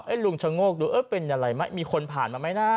เอ้ยลุงชะโงกดูเออเป็นอะไรมั้ยมีคนผ่านมามั้ยน่า